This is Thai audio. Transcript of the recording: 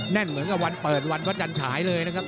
แน่นเหมือนกับวันเปิดวันวันจันทรายเลยนะครับ